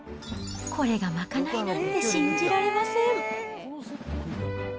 これが賄いなんて信じられません。